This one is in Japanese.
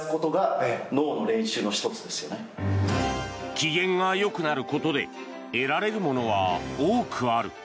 機嫌がよくなることで得られるものは多くある。